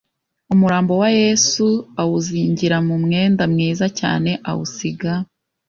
umurambo wa Yesu awuzingira mu mwenda mwiza cyane awusiga